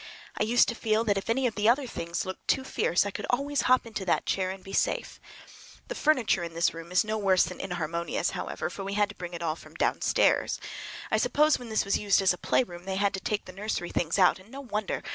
I used to feel that if any of the other things looked too fierce I could always hop into that chair and be safe. The furniture in this room is no worse than inharmonious, however, for we had to bring it all from downstairs. I suppose when this was used as a playroom they had to take the nursery things out, and no wonder!